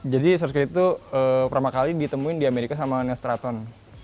jadi surfskate itu pertama kali ditemuin di amerika sama nestraton